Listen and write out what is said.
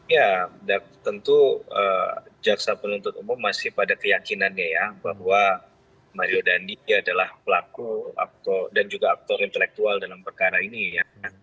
ya tentu jaksa penuntut umum masih pada keyakinannya ya bahwa mario dandi adalah pelaku dan juga aktor intelektual dalam perkara ini ya